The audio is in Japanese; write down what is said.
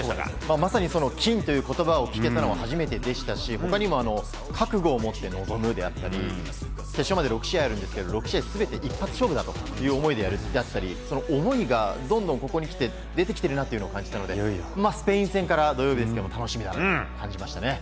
まさに金という言葉を聞けたのは初めてでしたし他にも覚悟を持って臨むであったり決勝まで６試合あるんですけど６試合全部一発勝負ということであったり思いがここにきて出てきているなというのをスペイン戦から、土曜日ですけど楽しみだと感じましたね。